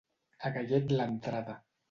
A gallet l'entrada.